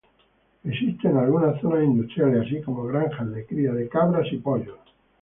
Existen algunas zonas industriales, así como granjas de cría de cabras y pollos.